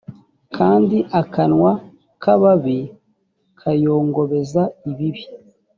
kandi akanwa k ababi kayongobeza ibibi